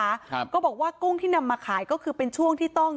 ครับก็บอกว่ากุ้งที่นำมาขายก็คือเป็นช่วงที่ต้อง